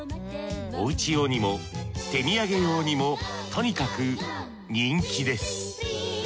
おうち用にも手土産用にもとにかく人気です。